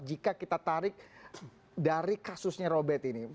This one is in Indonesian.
jika kita tarik dari kasusnya robert ini